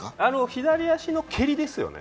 左足の蹴りですよね。